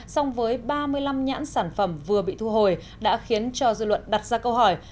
song với ba mươi năm nhãn sản phẩm vừa bị thu hồi đã khiến cho dư luận đặt ra câu hỏi